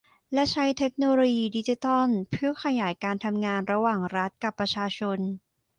และใช้เทคโนโลยีดิจิทัลเพื่อขยายการทำงานระหว่างรัฐกับประชาชน